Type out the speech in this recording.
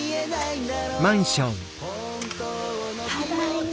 ただいま。